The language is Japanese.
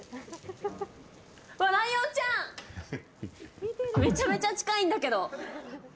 ライオンちゃんめちゃめちゃ近いんだけど。